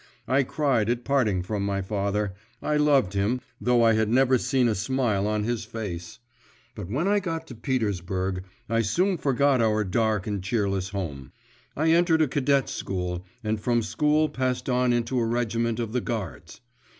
I cried at parting from my father; I loved him, though I had never seen a smile on his face … but when I got to Petersburg, I soon forgot our dark and cheerless home. I entered a cadet's school, and from school passed on into a regiment of the Guards.